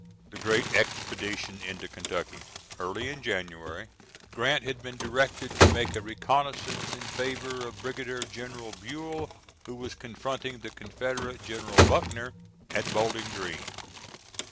[The great expedition into Kentucky: Early in January, Grant had been directed to make a reconnoissance in favor of Brigadier General Buell who was confronting the Confederate General Buckner at Bowling Green.